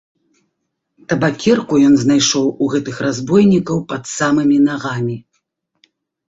Табакерку ён знайшоў у гэтых разбойнікаў пад самымі нагамі.